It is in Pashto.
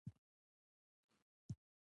د مکتب او د ګودر لارې تړلې